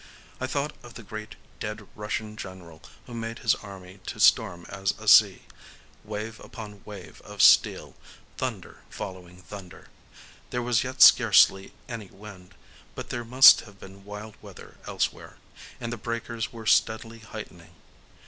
I thought of the great dead Russian general who made his army to storm as a sea,—wave upon wave of steel,—thunder following thunder…. There was yet scarcely any wind; but there must have been wild weather elsewhere,—and the breakers were steadily heightening.